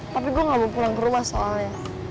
tapi gue gak mau pulang ke rumah soalnya